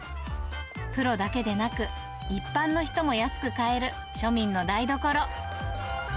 プロだけでなく、一般の人も安く買える、庶民の台所。